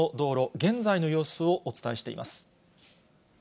現在の様子をお伝えしています。